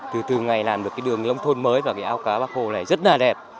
từ từ ngày làm được cái đường nông thôn mới và cái ao cá bắc hồ này rất là đẹp